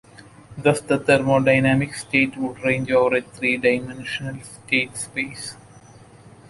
Thus the thermodynamic state would range over a three-dimensional state space.